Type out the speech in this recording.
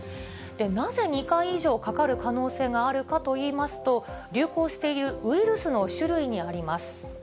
なぜ、２回以上かかる可能性があるかといいますと、流行しているウイルスの種類にあります。